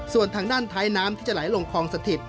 ส่วนทางด้านท้ายน้ำที่จะไหลลงคลองสถิต